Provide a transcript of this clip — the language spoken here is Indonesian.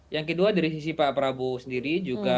yang kedua dari sisi pak prabowo sendiri juga